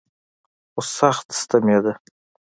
خو سخت ستمېده.